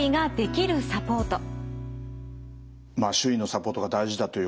まあ周囲のサポートが大事だということで。